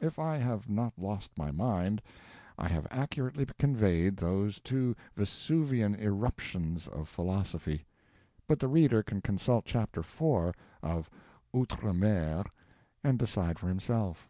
If I have not lost my mind I have accurately conveyed those two Vesuvian irruptions of philosophy. But the reader can consult Chapter IV. of 'Outre Mer', and decide for himself.